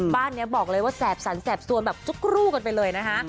บ้านนี้บอกเลยว่าแสบสันแสบสวนแบบจุ๊กรูกันไปเลยนะคะ